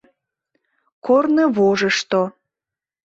КОРНЫВОЖЫШТО